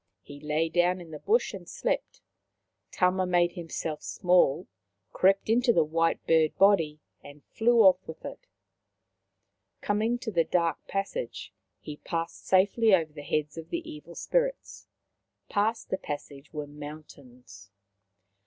He lay down in the bush and slept. Tama made himself small, crept into the white bird body, and flew off with it. Coming to the dark passage, he passed safely over the heads of the evil spirits. Past the pas sage were mountains.